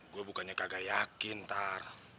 gue bukannya kagak yakin ntar